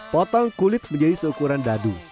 potong kulit menjadi seukuran dadu